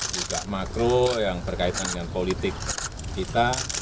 juga makro yang berkaitan dengan politik kita